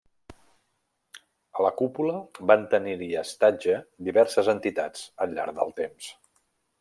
A la cúpula van tenir-hi estatge diverses entitats, al llarg del temps.